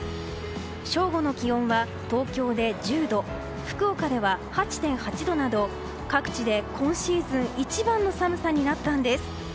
正午の気温は東京で１０度福岡では８．９度など各地で今シーズン一番の寒さになったんです。